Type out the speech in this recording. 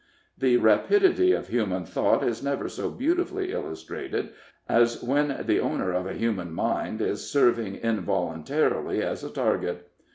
The rapidity of human thought is never so beautifully illustrated as when the owner of a human mind is serving involuntarily as a target.